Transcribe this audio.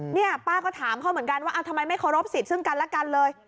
เนี่ยป้าก็ถามเขาเหมือนกันว่าทำไมไม่เคารพสิทธิ์ซึ่งกันและกันเลย